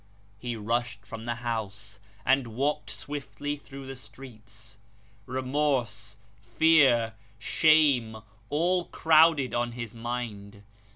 He rushed from the house, and walked swiftly through the streets. Remorse, fear, shame, all crowded on his mind.